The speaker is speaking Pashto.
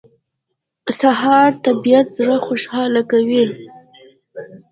سهار د طبیعت زړه خوشاله کوي.